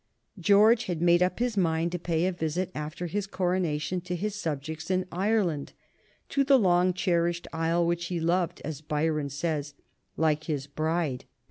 George had made up his mind to pay a visit after his coronation to his subjects in Ireland, to "the long cherished isle which he loved," as Byron says, "like his bride."